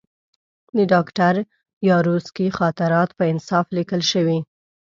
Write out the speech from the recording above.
د ډاکټر یاورسکي خاطرات په انصاف لیکل شوي.